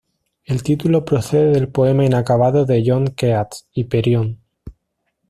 El título procede del poema inacabado de John Keats "Hiperión".